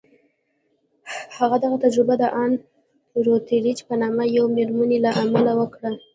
هغه دغه تجربه د ان روتليج په نوم يوې مېرمنې له امله وکړه.